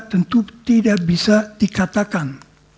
tentu tidak bisa dikatakan